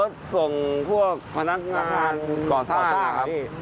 รถส่งพวกพนักงานก่อทราบนะครับ